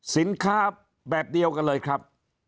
สินค้าแบบเดียวกันเลยครับ